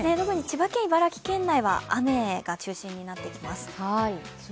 特に千葉県、茨城県内は雨が中心になってきます。